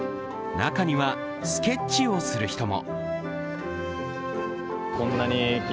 中にはスケッチをする人も。